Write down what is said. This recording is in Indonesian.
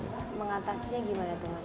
mengatasnya gimana tuh mas